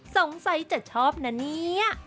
สงสัยจะชอบนะเนี่ย